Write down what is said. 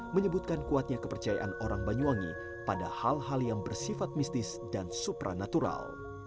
menyebutkan kuatnya kepercayaan orang banyuwangi pada hal hal yang bersifat mistis dan supranatural